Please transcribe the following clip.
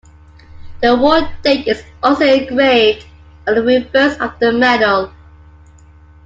The award date is also engraved on the reverse of the medal.